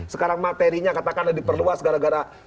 sekarang materinya katakanlah diperluas gara gara